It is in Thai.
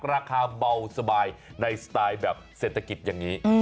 ราคาเบาสบายในสไตล์แบบเศรษฐกิจอย่างนี้